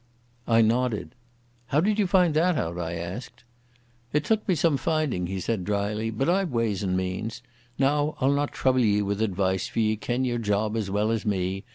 I nodded. "How did you find out that?" I asked. "It took me some finding," he said dryly, "but I've ways and means. Now I'll not trouble ye with advice, for ye ken your job as well as me.